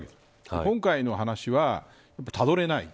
今回の話はたどれない。